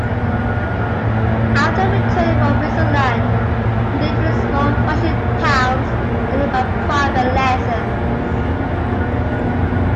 After returning from Switzerland, he lived in small Russian towns, earning by private lessons.